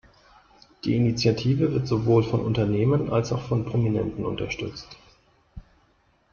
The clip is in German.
Die Initiative wird sowohl von Unternehmen als auch von Prominenten unterstützt.